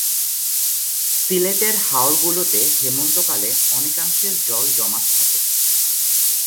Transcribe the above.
সিলেটের হাওর গুলোতে হেমন্ত কালে অনেকাংশে জল জমাট থাকে।